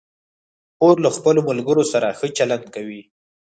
خور له خپلو ملګرو سره ښه چلند کوي.